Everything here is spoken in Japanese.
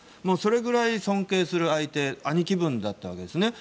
それぐらい尊敬する相手兄貴分だったわけです。